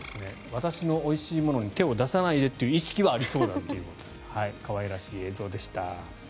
私のおいしいものに手を出さないでという意識はありそうだという可愛らしい映像でした。